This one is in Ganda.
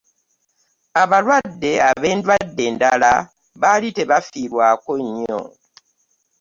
abalwadde abendwadde endala baali tebafiibwako nnyo.